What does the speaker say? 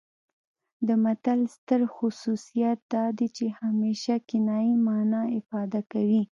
د متل ستر خصوصیت دا دی چې همیشه کنايي مانا افاده کوي